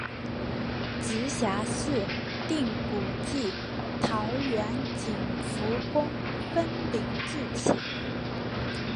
直辖市定古迹桃园景福宫分灵自此。